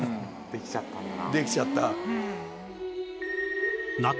できちゃったんだ。